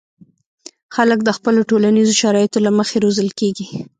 خلک د خپلو ټولنیزو شرایطو له مخې روزل کېږي.